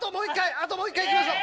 あと１回いきましょう！